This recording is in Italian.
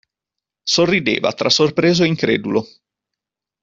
Sorrideva, tra sorpreso e incredulo.